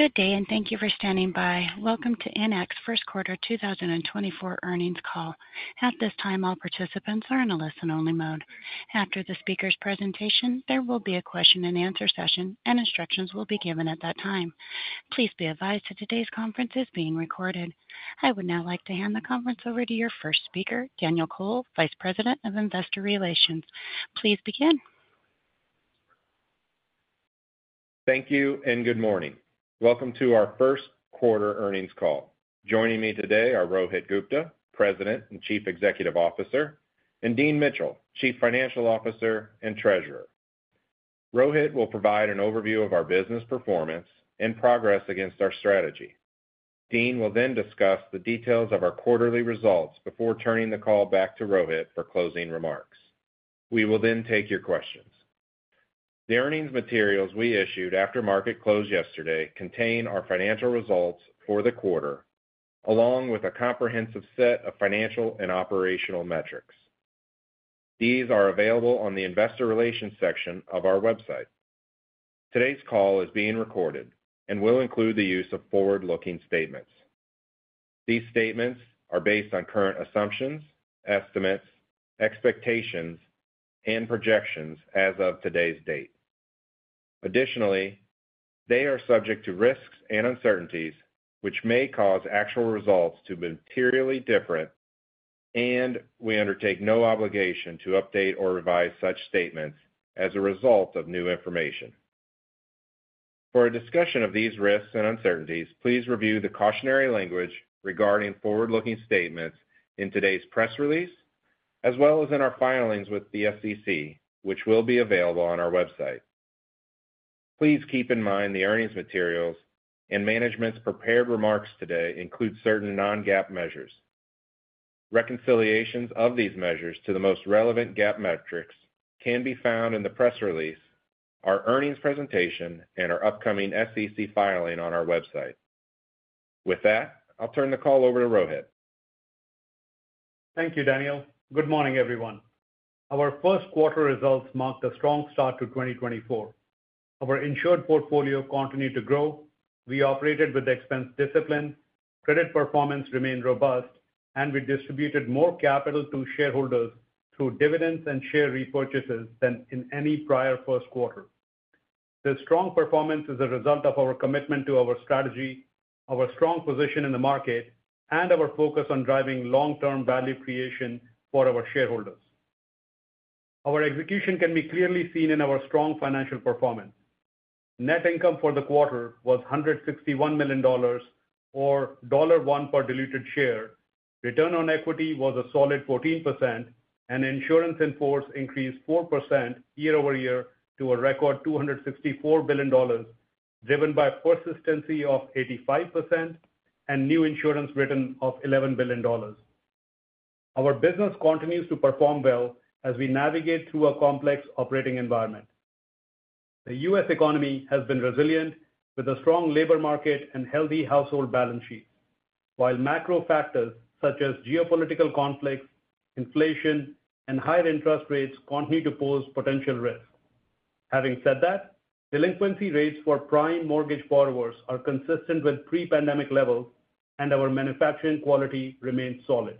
Good day, and thank you for standing by. Welcome to Enact's first quarter 2024 earnings call. At this time, all participants are in a listen-only mode. After the speaker's presentation, there will be a question-and-answer session, and instructions will be given at that time. Please be advised that today's conference is being recorded. I would now like to hand the conference over to your first speaker, Daniel Kohl, Vice President of Investor Relations. Please begin. Thank you and good morning. Welcome to our first quarter earnings call. Joining me today are Rohit Gupta, President and Chief Executive Officer, and Dean Mitchell, Chief Financial Officer and Treasurer. Rohit will provide an overview of our business performance and progress against our strategy. Dean will then discuss the details of our quarterly results before turning the call back to Rohit for closing remarks. We will then take your questions. The earnings materials we issued after market closed yesterday contain our financial results for the quarter, along with a comprehensive set of financial and operational metrics. These are available on the investor relations section of our website. Today's call is being recorded and will include the use of forward-looking statements. These statements are based on current assumptions, estimates, expectations, and projections as of today's date. Additionally, they are subject to risks and uncertainties, which may cause actual results to be materially different, and we undertake no obligation to update or revise such statements as a result of new information. For a discussion of these risks and uncertainties, please review the cautionary language regarding forward-looking statements in today's press release, as well as in our filings with the SEC, which will be available on our website. Please keep in mind the earnings materials and management's prepared remarks today include certain non-GAAP measures. Reconciliations of these measures to the most relevant GAAP metrics can be found in the press release, our earnings presentation, and our upcoming SEC filing on our website. With that, I'll turn the call over to Rohit. Thank you, Daniel. Good morning, everyone. Our first quarter results marked a strong start to 2024. Our insured portfolio continued to grow. We operated with expense discipline, credit performance remained robust, and we distributed more capital to shareholders through dividends and share repurchases than in any prior first quarter. This strong performance is a result of our commitment to our strategy, our strong position in the market, and our focus on driving long-term value creation for our shareholders. Our execution can be clearly seen in our strong financial performance. Net income for the quarter was $161 million or $1 per diluted share. Return on equity was a solid 14%, and insurance in force increased 4% year-over-year to a record $264 billion, driven by persistency of 85% and new insurance written of $11 billion. Our business continues to perform well as we navigate through a complex operating environment. The U.S. economy has been resilient, with a strong labor market and healthy household balance sheet, while macro factors such as geopolitical conflicts, inflation, and higher interest rates continue to pose potential risks. Having said that, delinquency rates for prime mortgage borrowers are consistent with pre-pandemic levels, and our manufacturing quality remains solid.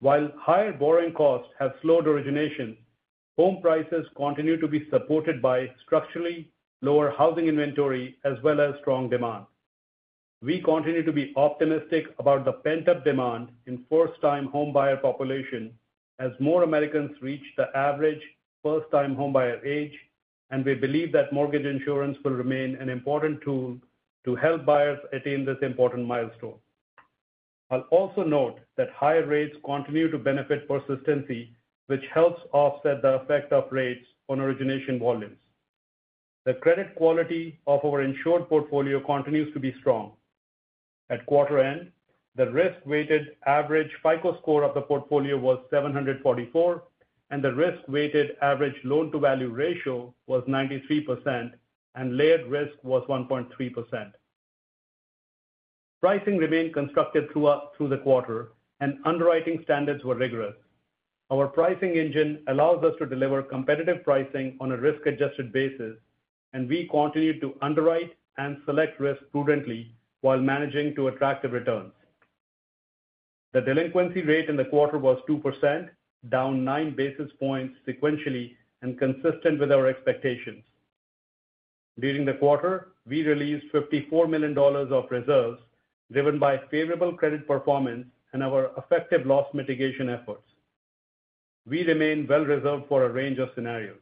While higher borrowing costs have slowed origination, home prices continue to be supported by structurally lower housing inventory as well as strong demand. We continue to be optimistic about the pent-up demand in first-time homebuyer population as more Americans reach the average first-time homebuyer age, and we believe that mortgage insurance will remain an important tool to help buyers attain this important milestone. I'll also note that higher rates continue to benefit persistency, which helps offset the effect of rates on origination volumes. The credit quality of our insured portfolio continues to be strong. At quarter end, the risk-weighted average FICO score of the portfolio was 744, and the risk-weighted average loan-to-value ratio was 93%, and layered risk was 1.3%. Pricing remained consistent throughout the quarter, and underwriting standards were rigorous. Our pricing engine allows us to deliver competitive pricing on a risk-adjusted basis, and we continue to underwrite and select risks prudently while managing for attractive returns. The delinquency rate in the quarter was 2%, down 9 basis points sequentially and consistent with our expectations. During the quarter, we released $54 million of reserves, driven by favorable credit performance and our effective loss mitigation efforts. We remain well reserved for a range of scenarios.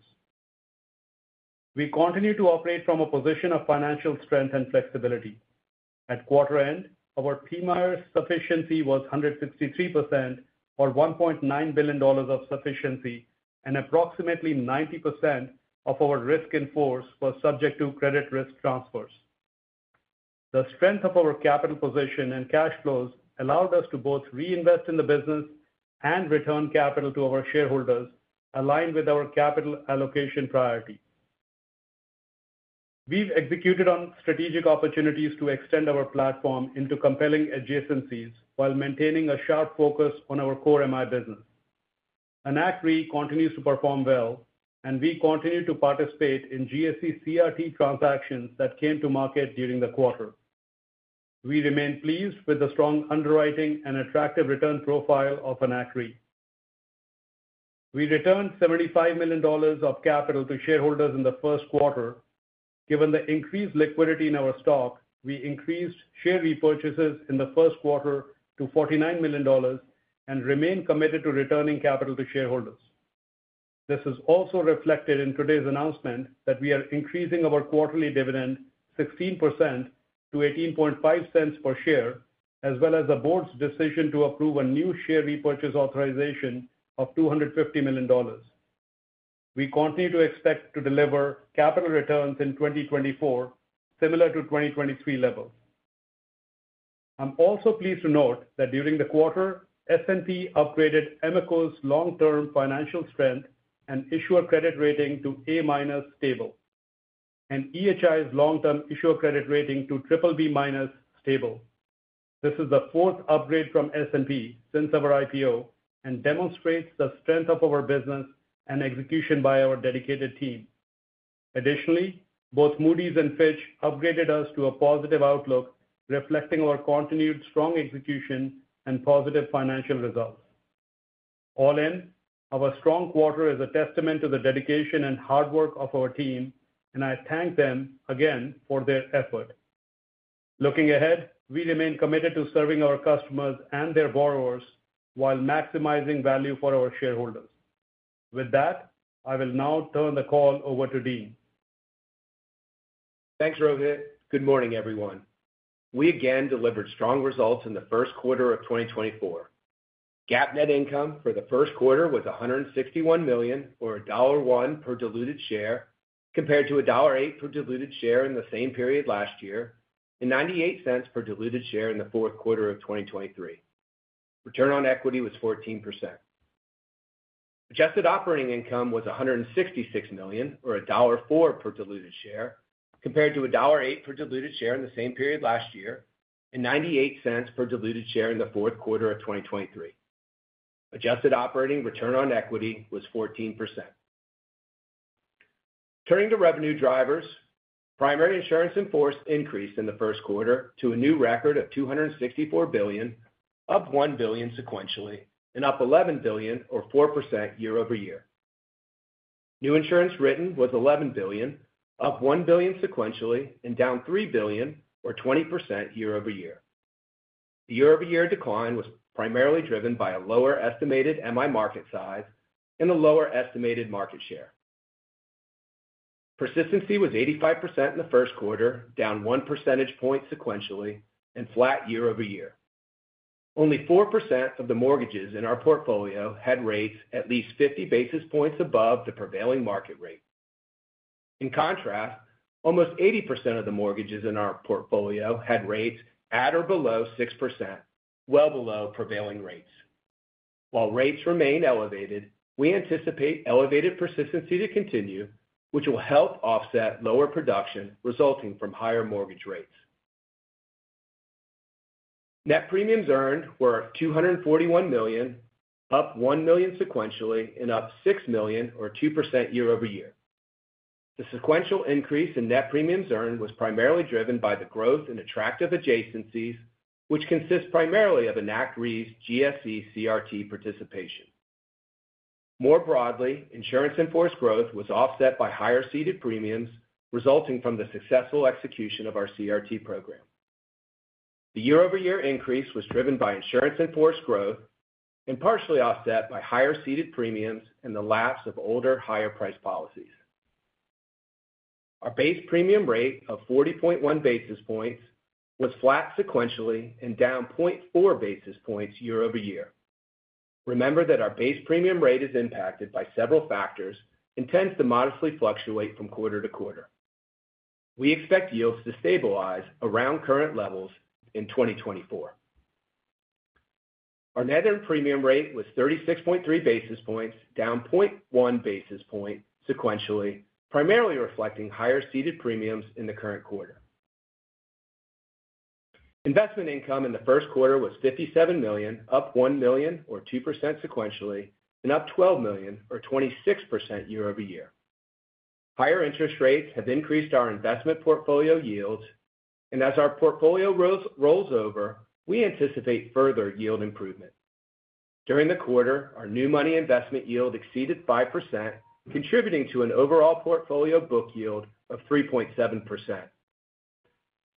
We continue to operate from a position of financial strength and flexibility. At quarter end, our PMIERs sufficiency was 163% or $1.9 billion of sufficiency, and approximately 90% of our risk in force was subject to credit risk transfers. The strength of our capital position and cash flows allowed us to both reinvest in the business and return capital to our shareholders, aligned with our capital allocation priority. We've executed on strategic opportunities to extend our platform into compelling adjacencies while maintaining a sharp focus on our core MI business.... Enact Re continues to perform well, and we continue to participate in GSE CRT transactions that came to market during the quarter. We remain pleased with the strong underwriting and attractive return profile of Enact Re. We returned $75 million of capital to shareholders in the first quarter. Given the increased liquidity in our stock, we increased share repurchases in the first quarter to $49 million and remain committed to returning capital to shareholders. This is also reflected in today's announcement that we are increasing our quarterly dividend 16% to $0.185 per share, as well as the board's decision to approve a new share repurchase authorization of $250 million. We continue to expect to deliver capital returns in 2024, similar to 2023 levels. I'm also pleased to note that during the quarter, S&P upgraded EMICO's long-term financial strength and issuer credit rating to A- stable, and EHI's long-term issuer credit rating to BBB- stable. This is the fourth upgrade from S&P since our IPO and demonstrates the strength of our business and execution by our dedicated team. Additionally, both Moody's and Fitch upgraded us to a positive outlook, reflecting our continued strong execution and positive financial results. All in, our strong quarter is a testament to the dedication and hard work of our team, and I thank them again for their effort. Looking ahead, we remain committed to serving our customers and their borrowers while maximizing value for our shareholders. With that, I will now turn the call over to Dean. Thanks, Rohit. Good morning, everyone. We again delivered strong results in the first quarter of 2024. GAAP net income for the first quarter was $161 million, or $1.01 per diluted share, compared to $1.08 per diluted share in the same period last year, and $0.98 per diluted share in the fourth quarter of 2023. Return on equity was 14%. Adjusted operating income was $166 million, or $1.04 per diluted share, compared to $1.08 per diluted share in the same period last year, and $0.98 per diluted share in the fourth quarter of 2023. Adjusted operating return on equity was 14%. Turning to revenue drivers, primary insurance in force increased in the first quarter to a new record of $264 billion, up $1 billion sequentially, and up $11 billion or 4% year-over-year. New insurance written was $11 billion, up $1 billion sequentially and down $3 billion or 20% year-over-year. The year-over-year decline was primarily driven by a lower estimated MI market size and a lower estimated market share. Persistency was 85% in the first quarter, down 1 percentage point sequentially and flat year-over-year. Only 4% of the mortgages in our portfolio had rates at least 50 basis points above the prevailing market rate. In contrast, almost 80% of the mortgages in our portfolio had rates at or below 6%, well below prevailing rates. While rates remain elevated, we anticipate elevated persistency to continue, which will help offset lower production resulting from higher mortgage rates. Net premiums earned were $241 million, up $1 million sequentially, and up $6 million, or 2% year-over-year. The sequential increase in net premiums earned was primarily driven by the growth in attractive adjacencies, which consist primarily of Enact Re's GSE CRT participation. More broadly, insurance in force growth was offset by higher ceded premiums resulting from the successful execution of our CRT program. The year-over-year increase was driven by insurance in force growth and partially offset by higher ceded premiums and the lapse of older, higher priced policies. Our base premium rate of 40.1 basis points was flat sequentially and down 0.4 basis points year-over-year. Remember that our base premium rate is impacted by several factors and tends to modestly fluctuate from quarter-to-quarter. We expect yields to stabilize around current levels in 2024. Our net earned premium rate was 36.3 basis points, down 0.1 basis point sequentially, primarily reflecting higher ceded premiums in the current quarter. Investment income in the first quarter was $57 million, up $1 million or 2% sequentially, and up $12 million or 26% year-over-year. Higher interest rates have increased our investment portfolio yields, and as our portfolio rolls over, we anticipate further yield improvement. During the quarter, our new money investment yield exceeded 5%, contributing to an overall portfolio book yield of 3.7%.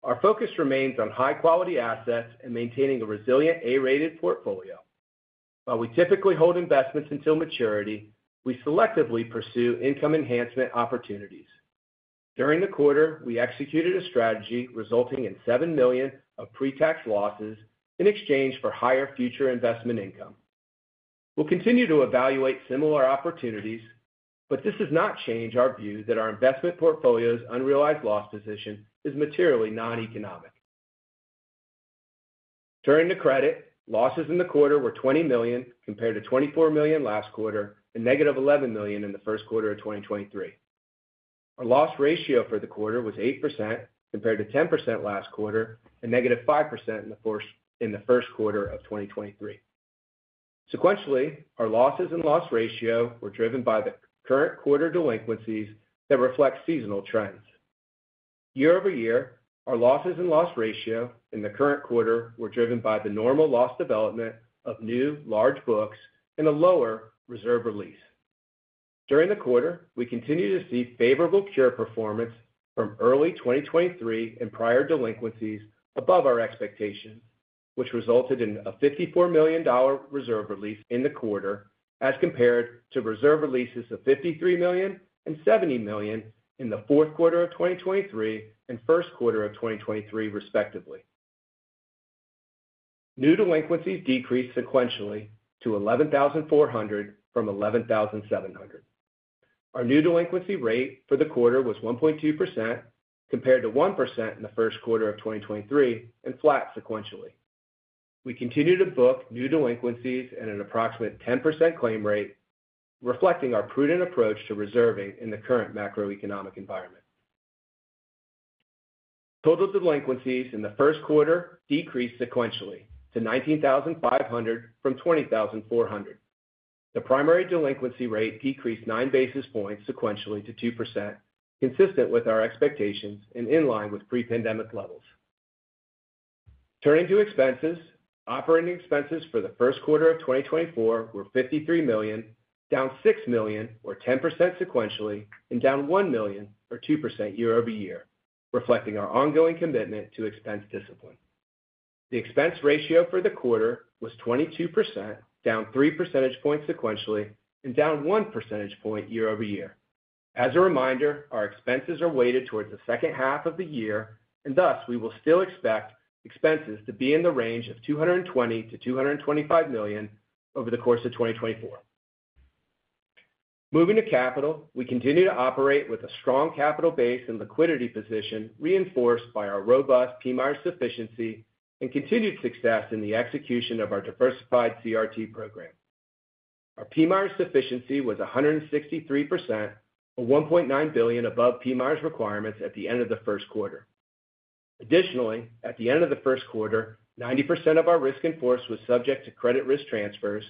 Our focus remains on high quality assets and maintaining a resilient A-rated portfolio. While we typically hold investments until maturity, we selectively pursue income enhancement opportunities. During the quarter, we executed a strategy resulting in $7 million of pre-tax losses in exchange for higher future investment income. We'll continue to evaluate similar opportunities, but this does not change our view that our investment portfolio's unrealized loss position is materially non-economic. Turning to credit, losses in the quarter were $20 million, compared to $24 million last quarter, and -$11 million in the first quarter of 2023. Our loss ratio for the quarter was 8%, compared to 10% last quarter, and -5% in the first quarter of 2023. Sequentially, our losses and loss ratio were driven by the current quarter delinquencies that reflect seasonal trends. Year-over-year, our losses and loss ratio in the current quarter were driven by the normal loss development of new large books and a lower reserve release. During the quarter, we continued to see favorable cure performance from early 2023 and prior delinquencies above our expectations, which resulted in a $54 million reserve release in the quarter as compared to reserve releases of $53 million and $70 million in the fourth quarter of 2023 and first quarter of 2023, respectively. New delinquencies decreased sequentially to 11,400 from 11,700. Our new delinquency rate for the quarter was 1.2%, compared to 1% in the first quarter of 2023 and flat sequentially. We continue to book new delinquencies at an approximate 10% claim rate, reflecting our prudent approach to reserving in the current macroeconomic environment. Total delinquencies in the first quarter decreased sequentially to 19,500 from 20,400. The primary delinquency rate decreased 9 basis points sequentially to 2%, consistent with our expectations and in line with pre-pandemic levels. Turning to expenses. Operating expenses for the first quarter of 2024 were $53 million, down $6 million, or 10% sequentially, and down $1 million or 2% year-over-year, reflecting our ongoing commitment to expense discipline. The expense ratio for the quarter was 22%, down 3 percentage points sequentially and down 1 percentage point year-over-year. As a reminder, our expenses are weighted towards the second half of the year, and thus, we will still expect expenses to be in the range of $220 million-$225 million over the course of 2024. Moving to capital. We continue to operate with a strong capital base and liquidity position, reinforced by our robust PMIER sufficiency and continued success in the execution of our diversified CRT program. Our PMIER sufficiency was 163%, or $1.9 billion above PMIERs requirements at the end of the first quarter. Additionally, at the end of the first quarter, 90% of our risk in force was subject to credit risk transfers,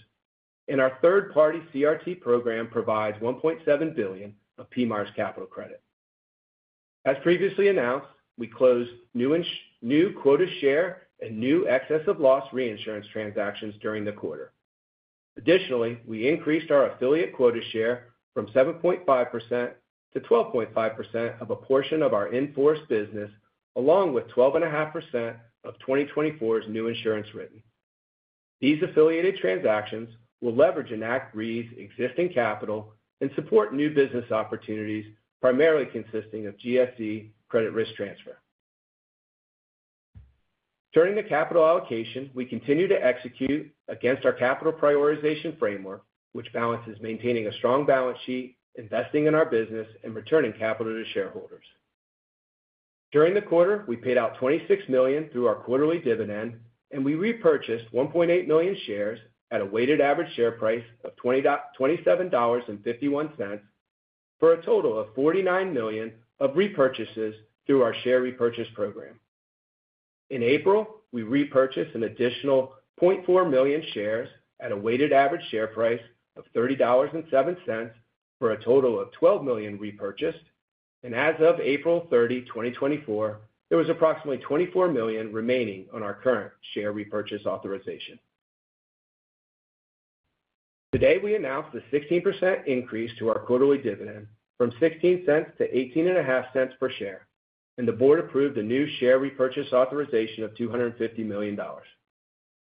and our third-party CRT program provides $1.7 billion of PMIERs capital credit. As previously announced, we closed new quota share and new excess of loss reinsurance transactions during the quarter. Additionally, we increased our affiliate quota share from 7.5%-12.5% of a portion of our in-force business, along with 12.5% of 2024's new insurance written. These affiliated transactions will leverage Enact Re's existing capital and support new business opportunities, primarily consisting of GSE credit risk transfer. Turning to capital allocation, we continue to execute against our capital prioritization framework, which balances maintaining a strong balance sheet, investing in our business, and returning capital to shareholders. During the quarter, we paid out $26 million through our quarterly dividend, and we repurchased 1.8 million shares at a weighted average share price of $27.51, for a total of $49 million of repurchases through our share repurchase program. In April, we repurchased an additional 0.4 million shares at a weighted average share price of $30.07, for a total of $12 million repurchased. As of April 30, 2024, there was approximately $24 million remaining on our current share repurchase authorization. Today, we announced a 16% increase to our quarterly dividend from $0.16-$0.185 per share, and the board approved a new share repurchase authorization of $250 million.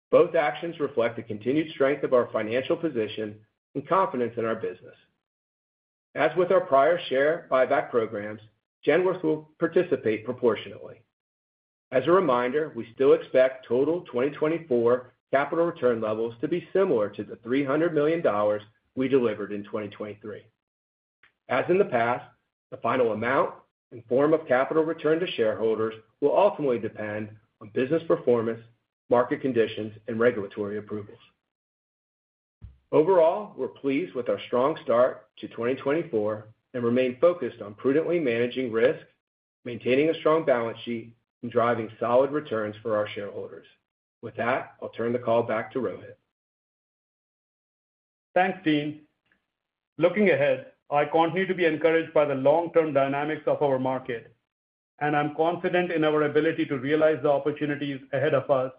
Both actions reflect the continued strength of our financial position and confidence in our business. As with our prior share buyback programs, Genworth will participate proportionally. As a reminder, we still expect total 2024 capital return levels to be similar to the $300 million we delivered in 2023. As in the past, the final amount and form of capital return to shareholders will ultimately depend on business performance, market conditions, and regulatory approvals. Overall, we're pleased with our strong start to 2024 and remain focused on prudently managing risk, maintaining a strong balance sheet, and driving solid returns for our shareholders. With that, I'll turn the call back to Rohit. Thanks, Dean. Looking ahead, I continue to be encouraged by the long-term dynamics of our market, and I'm confident in our ability to realize the opportunities ahead of us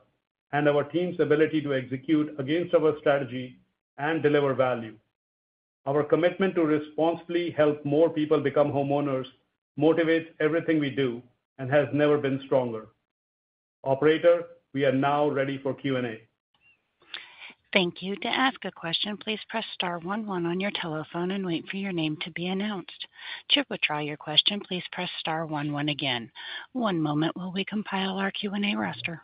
and our team's ability to execute against our strategy and deliver value. Our commitment to responsibly help more people become homeowners motivates everything we do and has never been stronger. Operator, we are now ready for Q&A. Thank you. To ask a question, please press star one one on your telephone and wait for your name to be announced. To withdraw your question, please press star one one again. One moment while we compile our Q&A roster.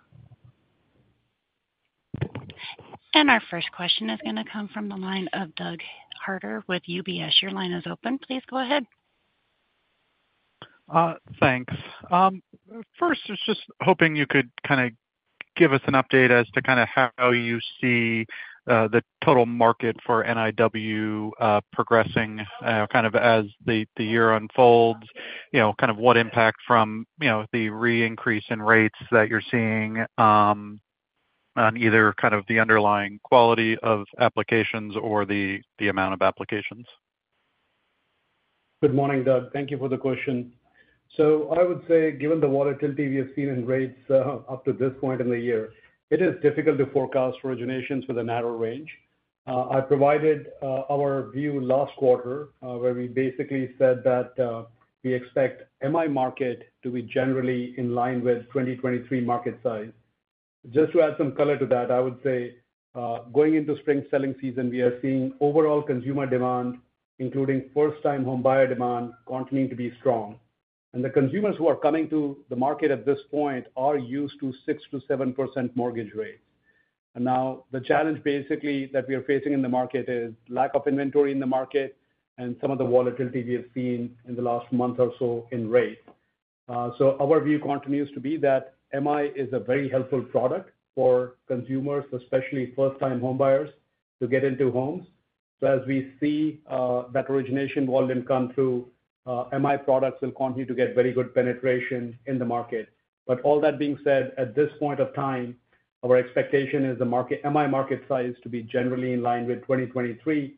Our first question is going to come from the line of Doug Harter with UBS. Your line is open. Please go ahead. Thanks. First, I was just hoping you could kind of give us an update as to kind of how you see the total market for NIW progressing kind of as the year unfolds? You know, kind of what impact from, you know, the re-increase in rates that you're seeing on either kind of the underlying quality of applications or the amount of applications? Good morning, Doug. Thank you for the question. So I would say, given the volatility we have seen in rates, up to this point in the year, it is difficult to forecast originations with a narrow range. I provided our view last quarter, where we basically said that we expect MI market to be generally in line with 2023 market size. Just to add some color to that, I would say, going into spring selling season, we are seeing overall consumer demand, including first-time homebuyer demand, continuing to be strong. And the consumers who are coming to the market at this point are used to 6%-7% mortgage rates. Now the challenge basically that we are facing in the market is lack of inventory in the market and some of the volatility we have seen in the last month or so in rates. So our view continues to be that MI is a very helpful product for consumers, especially first-time homebuyers, to get into homes. So as we see that origination volume come through, MI products will continue to get very good penetration in the market. But all that being said, at this point of time, our expectation is the MI market size to be generally in line with 2023.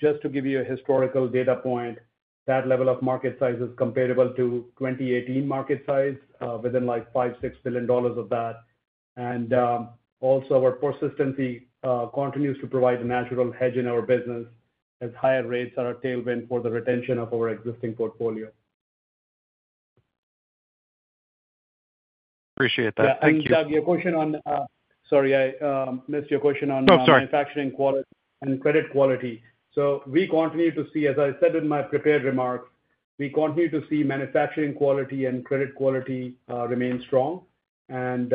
Just to give you a historical data point, that level of market size is comparable to 2018 market size, within, like, $5-$6 billion of that. Also, our persistency continues to provide a natural hedge in our business as higher rates are a tailwind for the retention of our existing portfolio. Appreciate that. Thank you. Doug, your question on... Sorry, I missed your question on- No, I'm sorry. Manufacturing quality and credit quality. So we continue to see, as I said in my prepared remarks, we continue to see manufacturing quality and credit quality remain strong. And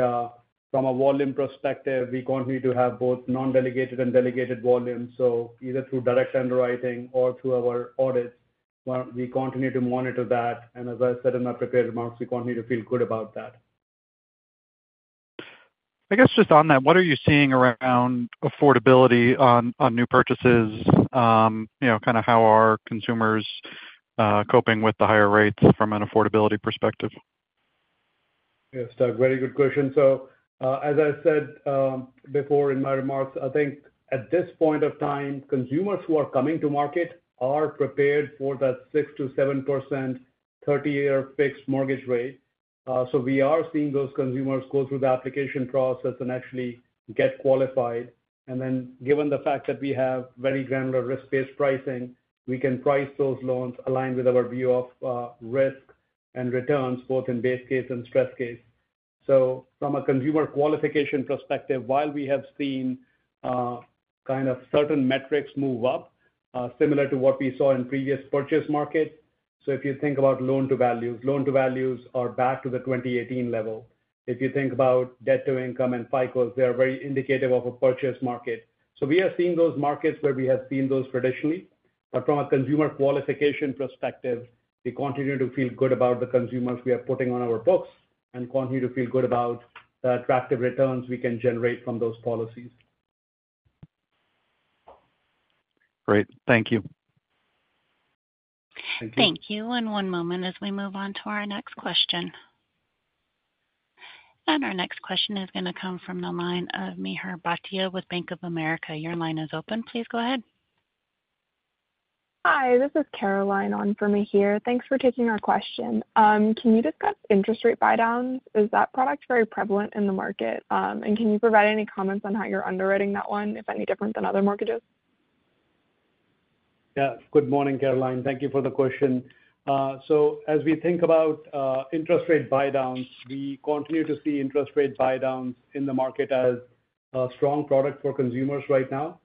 from a volume perspective, we continue to have both non-delegated and delegated volumes. So either through direct underwriting or through our audits, well, we continue to monitor that, and as I said in my prepared remarks, we continue to feel good about that. I guess just on that, what are you seeing around affordability on new purchases? You know, kind of how are consumers coping with the higher rates from an affordability perspective? Yes, Doug, very good question. So, as I said, before in my remarks, I think at this point of time, consumers who are coming to market are prepared for that 6%-7%, 30-year fixed mortgage rate. So we are seeing those consumers go through the application process and actually get qualified. And then, given the fact that we have very granular risk-based pricing, we can price those loans aligned with our view of, risk and returns, both in base case and stress case. So from a consumer qualification perspective, while we have seen, kind of certain metrics move up, similar to what we saw in previous purchase markets, so if you think about loan-to-values, loan-to-values are back to the 2018 level. If you think about debt-to-income and FICOs, they are very indicative of a purchase market. So we are seeing those markets where we have seen those traditionally. But from a consumer qualification perspective, we continue to feel good about the consumers we are putting on our books and continue to feel good about the attractive returns we can generate from those policies. Great. Thank you. Thank you. Thank you. One moment as we move on to our next question. Our next question is gonna come from the line of Mihir Bhatia with Bank of America. Your line is open. Please go ahead. Hi, this is Caroline on for Mihir. Thanks for taking our question. Can you discuss interest rate buydowns? Is that product very prevalent in the market? Can you provide any comments on how you're underwriting that one, if any different than other mortgages? Yes. Good morning, Caroline. Thank you for the question. So as we think about interest rate buydowns, we continue to see interest rate buydowns in the market as a strong product for consumers right now.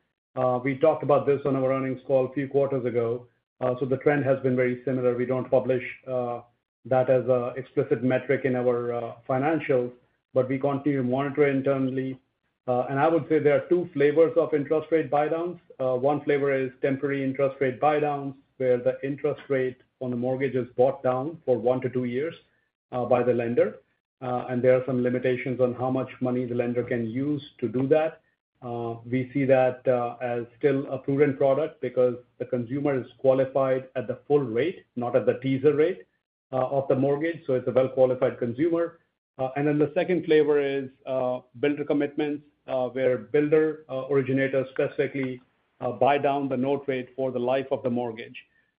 We talked about this on our earnings call a few quarters ago. So the trend has been very similar. We don't publish that as an explicit metric in our financials, but we continue to monitor internally. And I would say there are two flavors of interest rate buydowns. One flavor is temporary interest rate buydowns, where the interest rate on the mortgage is bought down for one to two years by the lender. And there are some limitations on how much money the lender can use to do that. We see that as still a prudent product because the consumer is qualified at the full rate, not at the teaser rate of the mortgage, so it's a well-qualified consumer. And then the second flavor is builder commitments where builder originators specifically buy down the note rate for the life of the mortgage.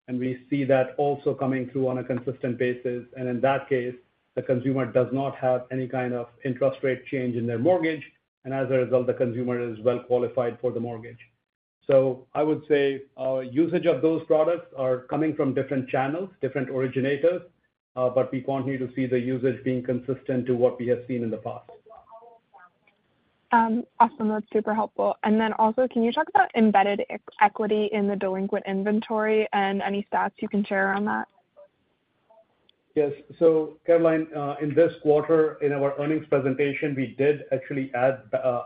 And we see that also coming through on a consistent basis. And in that case, the consumer does not have any kind of interest rate change in their mortgage, and as a result, the consumer is well qualified for the mortgage. So I would say our usage of those products are coming from different channels, different originators, but we continue to see the usage being consistent to what we have seen in the past. Awesome. That's super helpful. And then also, can you talk about embedded equity in the delinquent inventory and any stats you can share on that? Yes. So Caroline, in this quarter, in our earnings presentation, we did actually add,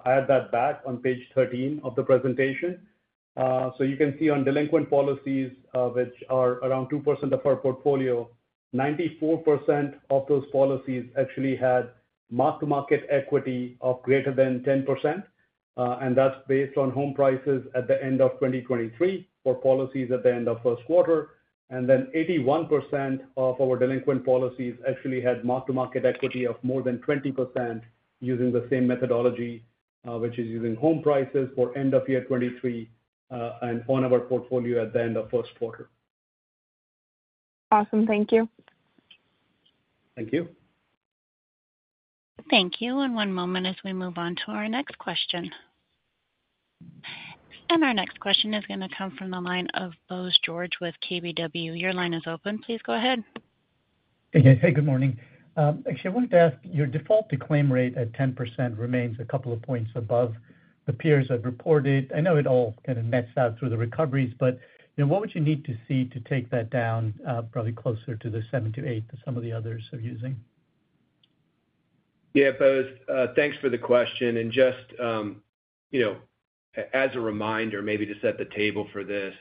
add that back on page 13 of the presentation. So you can see on delinquent policies, which are around 2% of our portfolio, 94% of those policies actually had mark-to-market equity of greater than 10%. And that's based on home prices at the end of 2023 for policies at the end of first quarter. And then 81% of our delinquent policies actually had mark-to-market equity of more than 20% using the same methodology, which is using home prices for end of year 2023, and on our portfolio at the end of first quarter. Awesome. Thank you. Thank you. Thank you. One moment as we move on to our next question. Our next question is going to come from the line of Bose George with KBW. Your line is open. Please go ahead. Hey, hey, good morning. Actually, I wanted to ask, your default to claim rate at 10% remains a couple of points above the peers that reported. I know it all kind of nets out through the recoveries, but, you know, what would you need to see to take that down, probably closer to the 7%-8% that some of the others are using? Yeah, Bose, thanks for the question. And just, you know, as a reminder, maybe to set the table for this,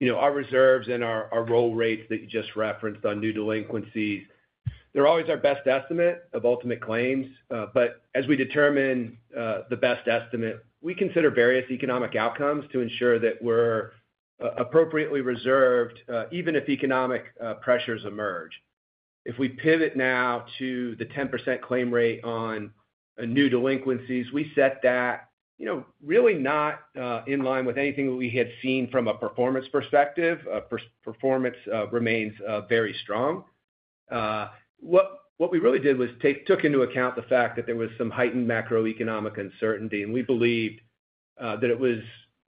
you know, our reserves and our, our roll rates that you just referenced on new delinquencies, they're always our best estimate of ultimate claims. But as we determine the best estimate, we consider various economic outcomes to ensure that we're appropriately reserved, even if economic pressures emerge. If we pivot now to the 10% claim rate on new delinquencies, we set that, you know, really not in line with anything we had seen from a performance perspective. Performance remains very strong. What we really did was took into account the fact that there was some heightened macroeconomic uncertainty, and we believed that it was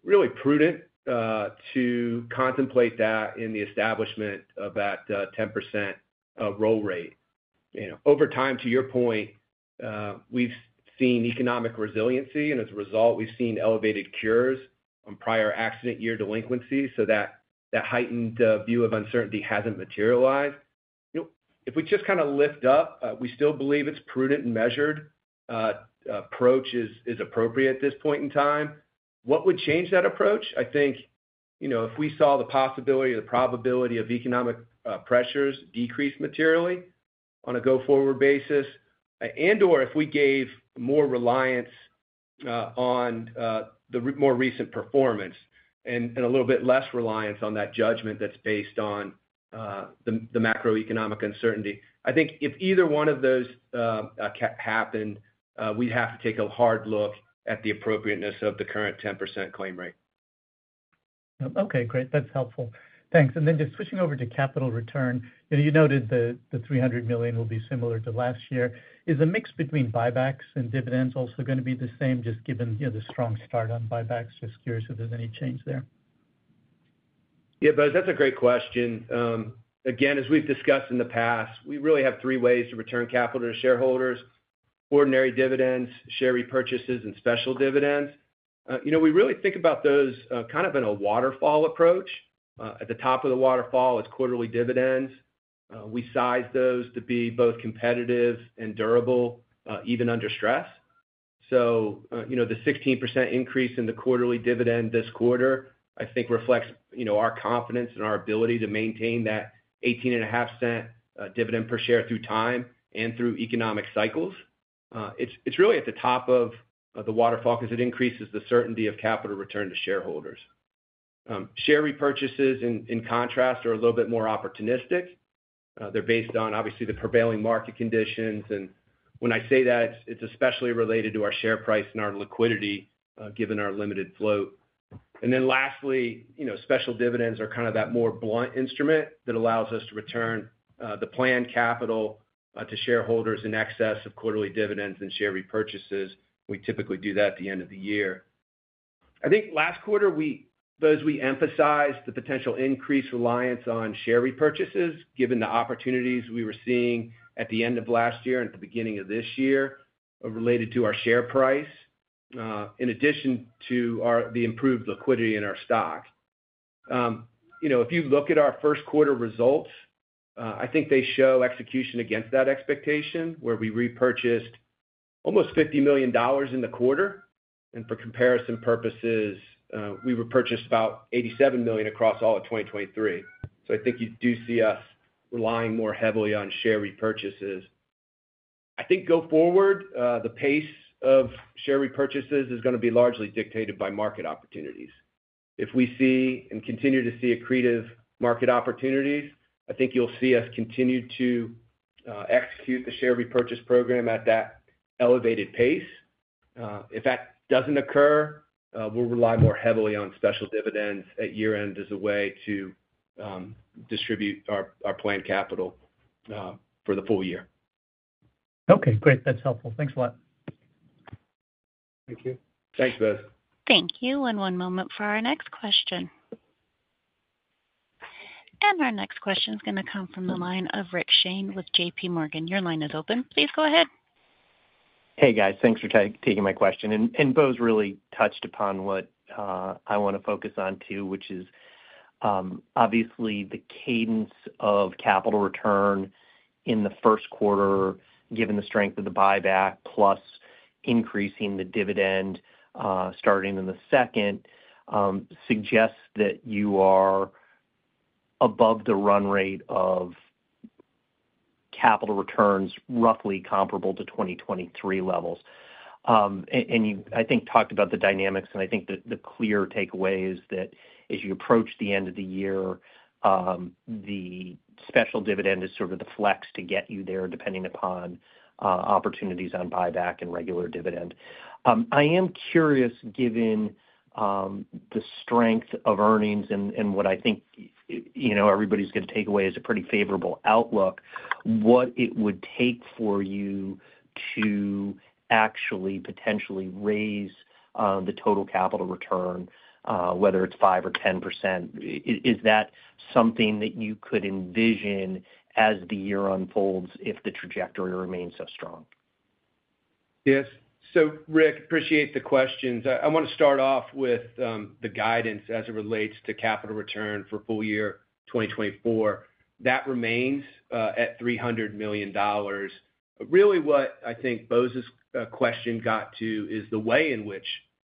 really prudent to contemplate that in the establishment of that 10% roll rate. You know, over time, to your point, we've seen economic resiliency, and as a result, we've seen elevated cures on prior accident year delinquencies, so that heightened view of uncertainty hasn't materialized. You know, if we just kind of lift up, we still believe it's prudent and measured approach is appropriate at this point in time. What would change that approach? I think, you know, if we saw the possibility or the probability of economic pressures decrease materially on a go-forward basis, and/or if we gave more reliance on the more recent performance and a little bit less reliance on that judgment that's based on the macroeconomic uncertainty. I think if either one of those happen, we'd have to take a hard look at the appropriateness of the current 10% claim rate. Okay, great. That's helpful. Thanks. And then just switching over to capital return, you know, you noted the $300 million will be similar to last year. Is the mix between buybacks and dividends also going to be the same, just given, you know, the strong start on buybacks? Just curious if there's any change there. Yeah, Bose, that's a great question. Again, as we've discussed in the past, we really have three ways to return capital to shareholders: ordinary dividends, share repurchases, and special dividends. You know, we really think about those, kind of in a waterfall approach. At the top of the waterfall is quarterly dividends. We size those to be both competitive and durable, even under stress. So, you know, the 16% increase in the quarterly dividend this quarter, I think reflects, you know, our confidence and our ability to maintain that $0.185 dividend per share through time and through economic cycles. It's really at the top of the waterfall because it increases the certainty of capital return to shareholders. Share repurchases, in contrast, are a little bit more opportunistic. They're based on, obviously, the prevailing market conditions. And when I say that, it's especially related to our share price and our liquidity, given our limited float. And then lastly, you know, special dividends are kind of that more blunt instrument that allows us to return the planned capital to shareholders in excess of quarterly dividends and share repurchases. We typically do that at the end of the year. I think last quarter, we, Bose, we emphasized the potential increased reliance on share repurchases, given the opportunities we were seeing at the end of last year and at the beginning of this year, related to our share price, in addition to the improved liquidity in our stock. You know, if you look at our first quarter results, I think they show execution against that expectation, where we repurchased almost $50 million in the quarter. For comparison purposes, we repurchased about $87 million across all of 2023. I think you do see us relying more heavily on share repurchases. I think go forward, the pace of share repurchases is going to be largely dictated by market opportunities. If we see and continue to see accretive market opportunities, I think you'll see us continue to, execute the share repurchase program at that elevated pace. If that doesn't occur, we'll rely more heavily on special dividends at year-end as a way to, distribute our, our planned capital, for the full year. Okay, great. That's helpful. Thanks a lot. Thank you. Thanks, Bose. Thank you, and one moment for our next question. Our next question is going to come from the line of Rick Shane with J.P. Morgan. Your line is open. Please go ahead. Hey, guys. Thanks for taking my question. And Bose really touched upon what I want to focus on too, which is... Obviously, the cadence of capital return in the first quarter, given the strength of the buyback, plus increasing the dividend, starting in the second, suggests that you are above the run rate of capital returns, roughly comparable to 2023 levels. And you, I think, talked about the dynamics, and I think that the clear takeaway is that as you approach the end of the year, the special dividend is sort of the flex to get you there, depending upon opportunities on buyback and regular dividend. I am curious, given the strength of earnings and what I think, you know, everybody's going to take away is a pretty favorable outlook, what it would take for you to actually potentially raise the total capital return, whether it's 5% or 10%. Is that something that you could envision as the year unfolds if the trajectory remains so strong? Yes. So Rick, appreciate the questions. I want to start off with the guidance as it relates to capital return for full year 2024. That remains at $300 million. But really what I think Bose's question got to is the way in which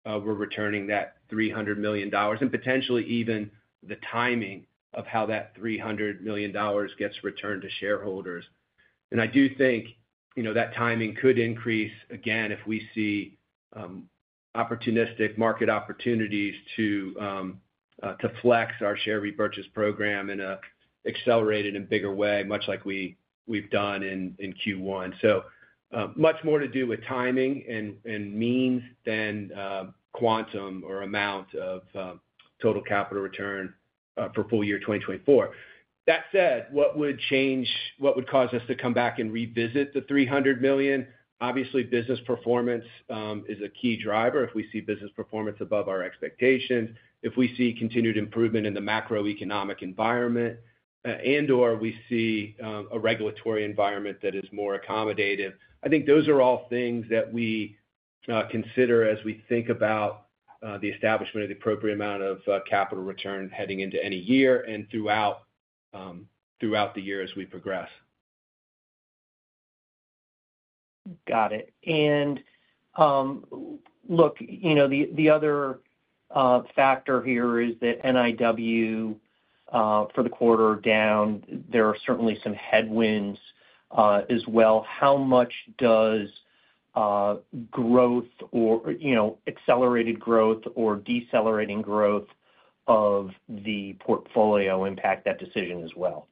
we're returning that $300 million, and potentially even the timing of how that $300 million gets returned to shareholders. And I do think, you know, that timing could increase again if we see opportunistic market opportunities to flex our share repurchase program in a accelerated and bigger way, much like we've done in Q1. So much more to do with timing and means than quantum or amount of total capital return for full year 2024. That said, what would cause us to come back and revisit the $300 million? Obviously, business performance is a key driver. If we see business performance above our expectations, if we see continued improvement in the macroeconomic environment, and/or we see a regulatory environment that is more accommodative, I think those are all things that we consider as we think about the establishment of the appropriate amount of capital return heading into any year and throughout the year as we progress. Got it. And, look, you know, the other factor here is that NIW for the quarter down, there are certainly some headwinds as well. How much does growth or, you know, accelerated growth or decelerating growth of the portfolio impact that decision as well?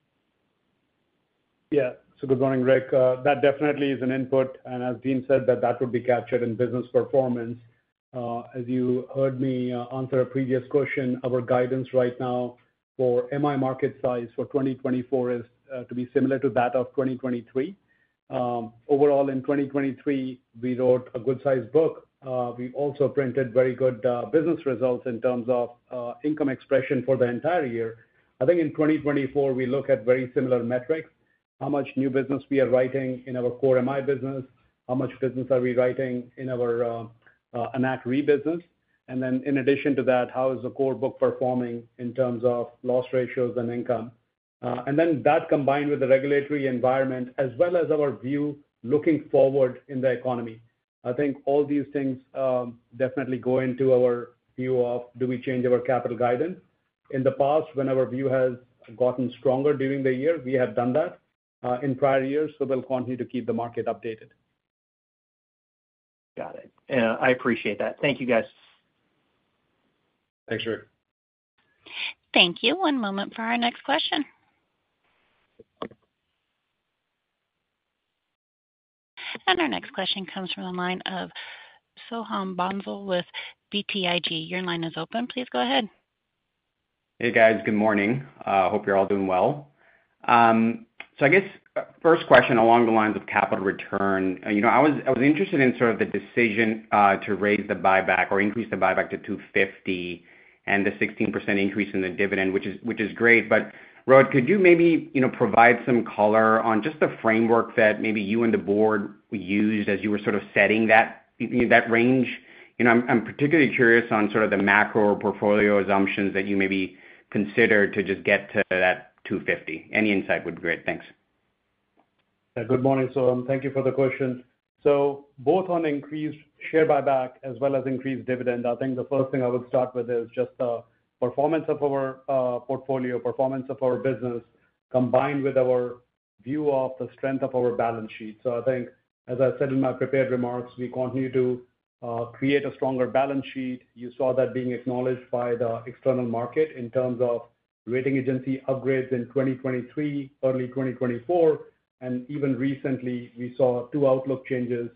Yeah. So good morning, Rick. That definitely is an input, and as Dean said, that that would be captured in business performance. As you heard me answer a previous question, our guidance right now for MI market size for 2024 is to be similar to that of 2023. Overall, in 2023, we wrote a good-sized book. We also printed very good business results in terms of income expression for the entire year. I think in 2024, we look at very similar metrics, how much new business we are writing in our core MI business, how much business are we writing in our Enact Re business, and then in addition to that, how is the core book performing in terms of loss ratios and income? And then that combined with the regulatory environment, as well as our view looking forward in the economy. I think all these things, definitely go into our view of do we change our capital guidance. In the past, when our view has gotten stronger during the year, we have done that, in prior years, so we'll continue to keep the market updated. Got it. I appreciate that. Thank you, guys. Thanks, Rick. Thank you. One moment for our next question. Our next question comes from the line of Soham Bhonsle with BTIG. Your line is open. Please go ahead. Hey, guys. Good morning. Hope you're all doing well. So I guess, first question along the lines of capital return. You know, I was interested in sort of the decision to raise the buyback or increase the buyback to $250 million and the 16% increase in the dividend, which is great. But Rohit, could you maybe, you know, provide some color on just the framework that maybe you and the board used as you were sort of setting that range? You know, I'm particularly curious on sort of the macro portfolio assumptions that you maybe considered to just get to that $250 million. Any insight would be great. Thanks. Yeah. Good morning, Soham. Thank you for the question. So both on increased share buyback as well as increased dividend, I think the first thing I would start with is just the performance of our portfolio, performance of our business, combined with our view of the strength of our balance sheet. So I think, as I said in my prepared remarks, we continue to create a stronger balance sheet. You saw that being acknowledged by the external market in terms of rating agency upgrades in 2023, early 2024, and even recently, we saw two outlook changes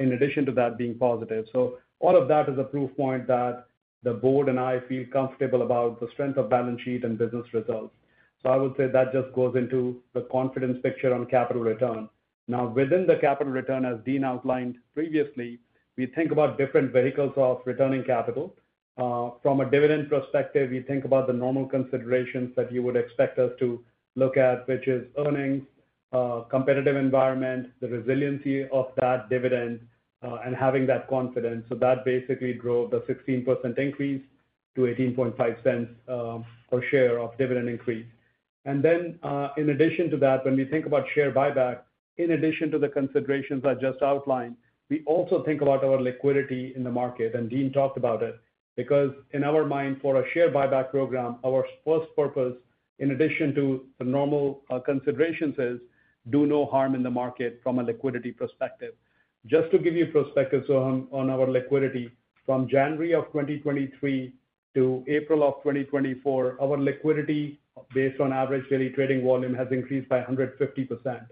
in addition to that being positive. So all of that is a proof point that the board and I feel comfortable about the strength of balance sheet and business results. So I would say that just goes into the confidence picture on capital return. Now, within the capital return, as Dean outlined previously, we think about different vehicles of returning capital. From a dividend perspective, we think about the normal considerations that you would expect us to look at, which is earnings, competitive environment, the resiliency of that dividend, and having that confidence. So that basically drove the 16% increase to $0.185 per share of dividend increase. And then, in addition to that, when we think about share buyback, in addition to the considerations I just outlined, we also think about our liquidity in the market, and Dean talked about it. Because in our mind, for a share buyback program, our first purpose, in addition to the normal considerations, is do no harm in the market from a liquidity perspective. Just to give you perspective on our liquidity, from January of 2023 to April of 2024, our liquidity based on average daily trading volume has increased by 150%.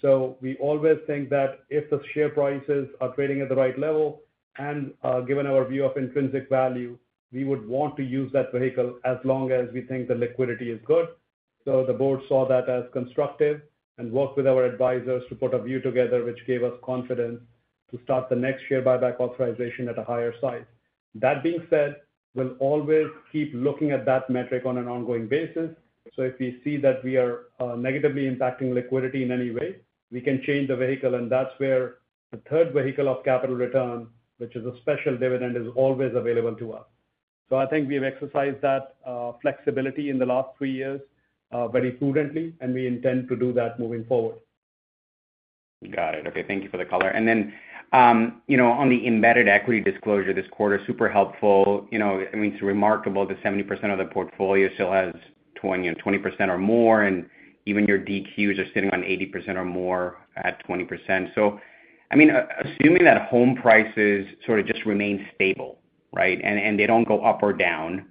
So we always think that if the share prices are trading at the right level and, given our view of intrinsic value, we would want to use that vehicle as long as we think the liquidity is good. So the board saw that as constructive and worked with our advisors to put a view together, which gave us confidence to start the next share buyback authorization at a higher size. That being said, we'll always keep looking at that metric on an ongoing basis. So if we see that we are negatively impacting liquidity in any way, we can change the vehicle, and that's where the third vehicle of capital return, which is a special dividend, is always available to us. So I think we've exercised that flexibility in the last three years very prudently, and we intend to do that moving forward. Got it. Okay, thank you for the color. And then, you know, on the embedded equity disclosure this quarter, super helpful. You know, I mean, it's remarkable that 70% of the portfolio still has 20 and 20% or more, and even your DQs are sitting on 80% or more at 20%. So, I mean, assuming that home prices sort of just remain stable, right? And, and they don't go up or down,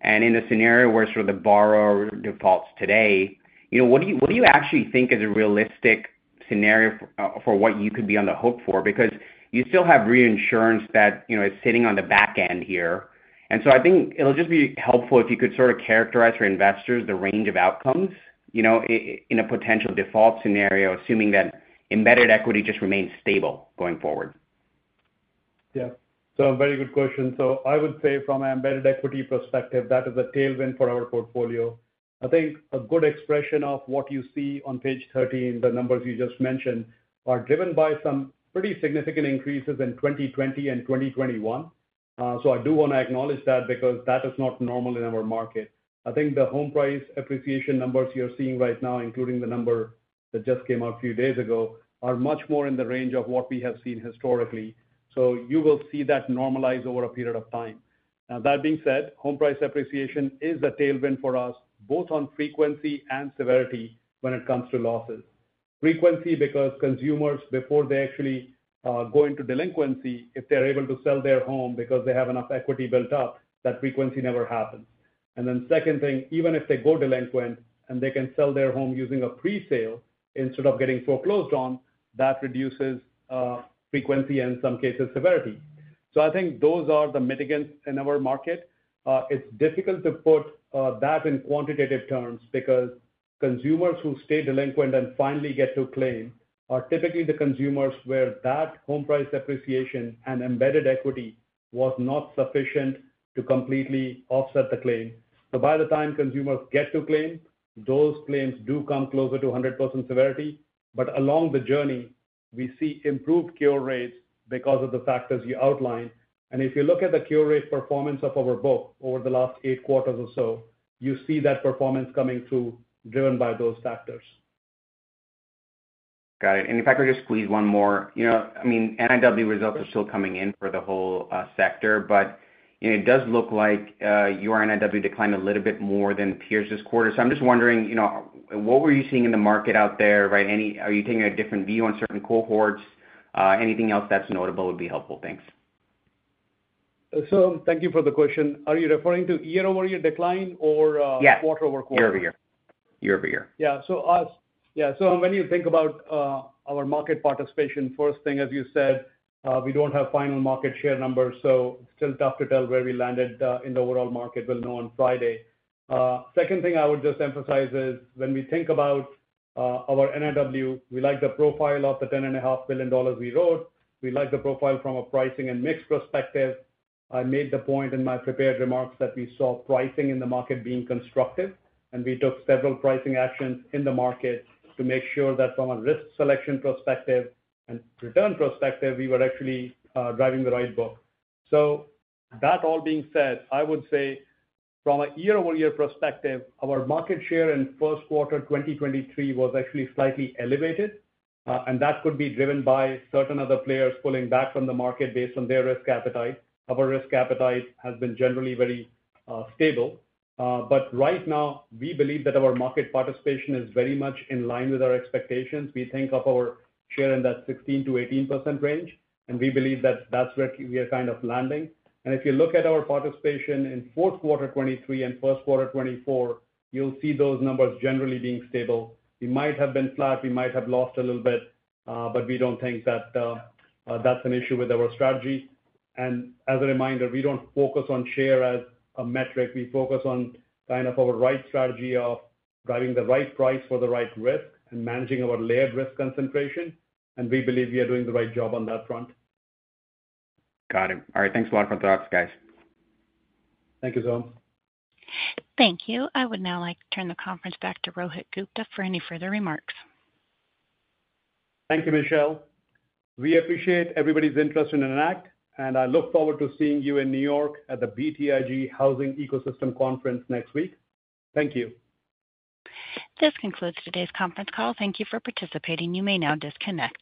and in a scenario where sort of the borrower defaults today, you know, what do you, what do you actually think is a realistic scenario for what you could be on the hook for? Because you still have reinsurance that, you know, is sitting on the back end here. So I think it'll just be helpful if you could sort of characterize for investors the range of outcomes, you know, in a potential default scenario, assuming that embedded equity just remains stable going forward. Yeah. So very good question. So I would say from an embedded equity perspective, that is a tailwind for our portfolio. I think a good expression of what you see on page 13, the numbers you just mentioned, are driven by some pretty significant increases in 2020 and 2021. So I do want to acknowledge that, because that is not normal in our market. I think the home price appreciation numbers you're seeing right now, including the number that just came out a few days ago, are much more in the range of what we have seen historically. So you will see that normalize over a period of time. Now, that being said, home price appreciation is a tailwind for us, both on frequency and severity when it comes to losses. Frequency, because consumers, before they actually go into delinquency, if they're able to sell their home because they have enough equity built up, that frequency never happens. And then second thing, even if they go delinquent and they can sell their home using a presale instead of getting foreclosed on, that reduces frequency and in some cases, severity. So I think those are the mitigants in our market. It's difficult to put that in quantitative terms, because consumers who stay delinquent and finally get to claim, are typically the consumers where that home price appreciation and embedded equity was not sufficient to completely offset the claim. So by the time consumers get to claim, those claims do come closer to 100% severity. But along the journey, we see improved cure rates because of the factors you outlined. If you look at the cure rate performance of our book over the last eight quarters or so, you see that performance coming through, driven by those factors. Got it. And if I could just squeeze one more. You know, I mean, NIW results are still coming in for the whole sector, but, and it does look like your NIW declined a little bit more than peers this quarter. So I'm just wondering, you know, what were you seeing in the market out there, right? Any-- are you taking a different view on certain cohorts? Anything else that's notable would be helpful. Thanks. Thank you for the question. Are you referring to year-over-year decline or Yes. Quarter-over-quarter? Year-over-year. Year-over-year. Yeah. So, yeah, so when you think about our market participation, first thing, as you said, we don't have final market share numbers, so it's still tough to tell where we landed in the overall market. We'll know on Friday. Second thing I would just emphasize is when we think about our NIW, we like the profile of the $10.5 billion we wrote. We like the profile from a pricing and mix perspective. I made the point in my prepared remarks that we saw pricing in the market being constructive, and we took several pricing actions in the market to make sure that from a risk selection perspective and return perspective, we were actually driving the right book. So that all being said, I would say from a year-over-year perspective, our market share in first quarter 2023 was actually slightly elevated, and that could be driven by certain other players pulling back from the market based on their risk appetite. Our risk appetite has been generally very stable. But right now, we believe that our market participation is very much in line with our expectations. We think of our share in that 16%-18% range, and we believe that that's where we are kind of landing. And if you look at our participation in fourth quarter 2023 and first quarter 2024, you'll see those numbers generally being stable. We might have been flat, we might have lost a little bit, but we don't think that that's an issue with our strategy. As a reminder, we don't focus on share as a metric. We focus on kind of our right strategy of driving the right price for the right risk and managing our layered risk concentration, and we believe we are doing the right job on that front. Got it. All right. Thanks a lot for the thoughts, guys. Thank you, Soham. Thank you. I would now like to turn the conference back to Rohit Gupta for any further remarks. Thank you, Michelle. We appreciate everybody's interest in Enact, and I look forward to seeing you in New York at the BTIG Housing Ecosystem Conference next week. Thank you. This concludes today's conference call. Thank you for participating. You may now disconnect.